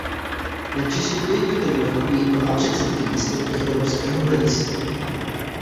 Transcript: Nepřistupuji k tomu jako bývalá předsedkyně z protievropského hlediska.